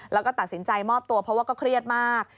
แล้วก็ตัดสินใจมอบตัวเพราะว่าก็เครียดมาก